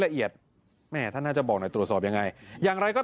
พระอาจารย์ออสบอกว่าอาการของคุณแป๋วผู้เสียหายคนนี้อาจจะเกิดจากหลายสิ่งประกอบกัน